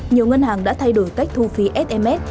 nhiều ngân hàng đã thay đổi cách thu phí sms